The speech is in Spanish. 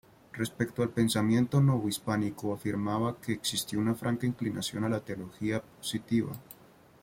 Respecto al pensamiento novohispano afirmaba que existió una franca inclinación a la teología positiva.